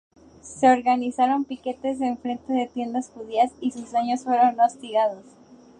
Se organizaron piquetes en frente de tiendas judías y sus dueños fueron hostigados.